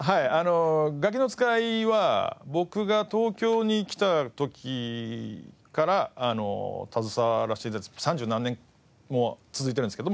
『ガキの使い』は僕が東京に来た時から携わらせて頂いて三十何年も続いてるんですけども。